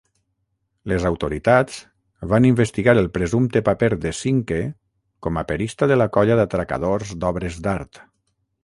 Les autoritats van investigar el presumpte paper de Cinque com a perista de la colla d'atracadors d'obres d'art.